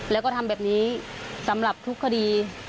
แล้วก็ทำแบบนี้สำหรับทุกคดี